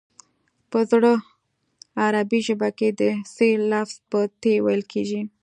په زړه عربي ژبه کې د ث لفظ په ت ویل کیږي